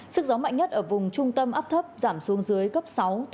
sức gió mạnh nhất ở vùng trung tâm áp thấp giảm xuống dưới cấp sáu